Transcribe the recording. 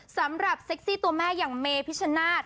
เซ็กซี่ตัวแม่อย่างเมพิชชนาธิ์